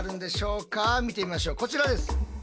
見てみましょうこちらです。